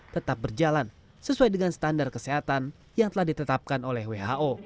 tetap berjalan sesuai dengan standar kesehatan yang telah ditetapkan oleh who